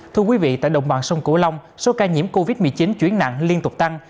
thưa quý vị tại đồng bằng sông cửu long số ca nhiễm covid một mươi chín chuyển nặng liên tục tăng